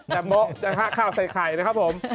จับโมะจับข้าวใส่ไข่นะครับผม